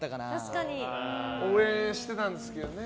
応援してたんですけどね。